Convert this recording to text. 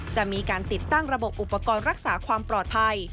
จะมีการติดตั้งระบบอุปกรณ์รักษาความปลอดภัย